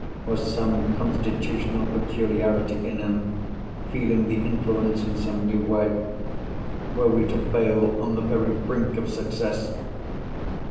Was some constitutional peculiarity in him, feeling the influence in some new way? Were we to fail on the very brink of success?